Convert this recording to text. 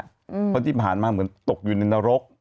เพราะที่ผ่านมาเหมือนตกอยู่ในนรก